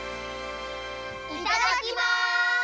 いただきます！